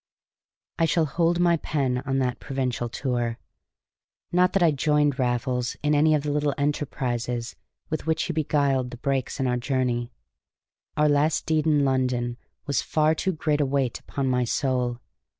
I shall hold my pen on that provincial tour. Not that I joined Raffles in any of the little enterprises with which he beguiled the breaks in our journey; our last deed in London was far too great a weight upon my soul.